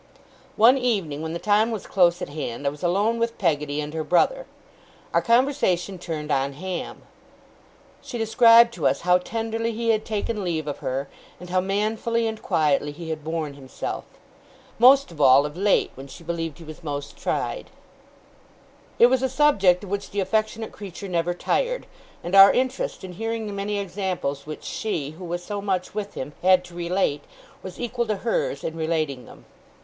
One evening when the time was close at hand, I was alone with Peggotty and her brother. Our conversation turned on Ham. She described to us how tenderly he had taken leave of her, and how manfully and quietly he had borne himself. Most of all, of late, when she believed he was most tried. It was a subject of which the affectionate creature never tired; and our interest in hearing the many examples which she, who was so much with him, had to relate, was equal to hers in relating them.